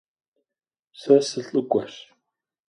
Сэ сылӀыкӀуэщ.